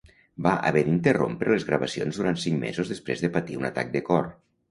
Va haver d'interrompre les gravacions durant cinc mesos després de patir un atac de cor.